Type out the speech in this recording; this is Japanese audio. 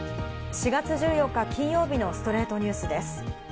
４月１４日、金曜日の『ストレイトニュース』です。